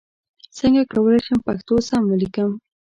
څنګه کولای شم پښتو سم ولیکم ؟